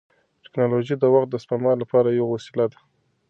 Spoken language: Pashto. ټیکنالوژي د وخت د سپما لپاره یوه وسیله ده.